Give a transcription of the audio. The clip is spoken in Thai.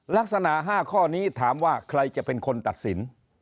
ลักษณะ๕ข้อนี้ถามว่าใครจะเป็นคนตัดสิน